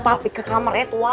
papi ke kamar edward